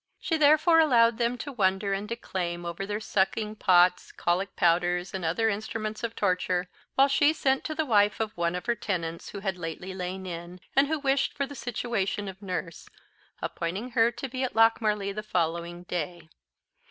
She therefore allowed them to wonder and declaim over their sucking pots, colic powders, and other instruments of torture, while she sent to the wife of one of her tenants who had lately lain in, and who wished for the situation of nurse, appointing her to be at Lochmarlie the following day.